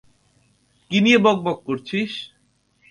কি নিয়ে বকবক করছিস?